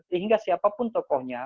sehingga siapa pun tokohnya